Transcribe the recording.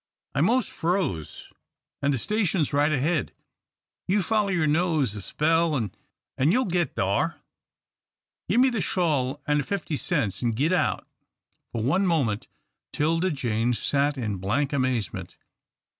I'm mos' froze, an' the station's right ahead. You foller yer nose a spell, an' you'll git thar. Gimme the shawl an' the fifty cents, an' git out." For one moment 'Tilda Jane sat in blank amazement.